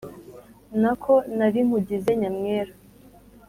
Nako nari nkugize nyamwera